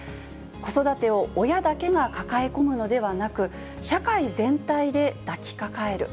子育てを親だけが抱え込むのではなく、社会全体で抱きかかえる。